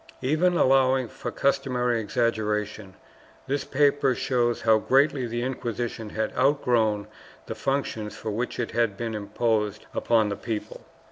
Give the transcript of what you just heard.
Even allowing for customary exaggeration, this paper shows how greatly the Inquisition had outgrown the functions for which it had been imposed upon the people.